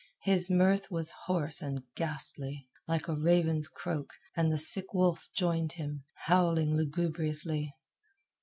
His mirth was hoarse and ghastly, like a raven's croak, and the sick wolf joined him, howling lugubriously.